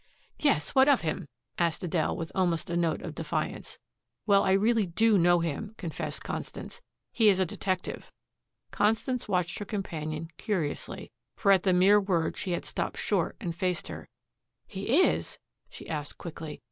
"Yes. What of him?" asked Adele with almost a note of defiance. "Well, I really DO know him," confessed Constance. "He is a detective." Constance watched her companion curiously, for at the mere word she had stopped short and faced her. "He is?" she asked quickly.